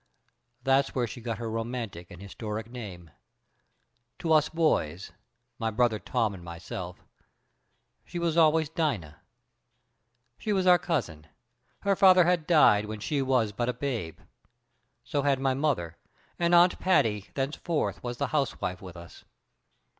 "That's where she got her romantic and historic name. To us boys my brother Tom and myself she was always Dina. She was our cousin. Her father had died when she was but a babe. So had my mother, and Aunt Patty thenceforth was the housewife with us.